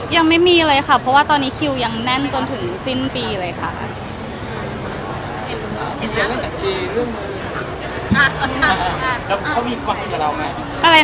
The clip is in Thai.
ยังไม่มีเลยค่ะเพราะว่าตอนนี้คิวยังแน่นจนถึงสิ้นปีเลยค่ะ